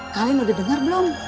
kalian udah dengar belum